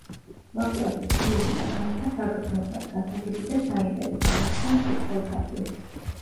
ლაპლასის ციური მექანიკა საგრძნობლად გასაგები და საინტერესო გახდა მკითხველთათვის.